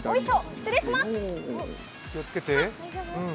失礼します。